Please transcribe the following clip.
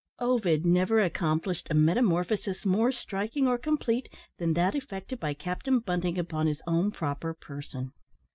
Ovid never accomplished a metamorphosis more striking or complete than that effected by Captain Bunting upon his own proper person.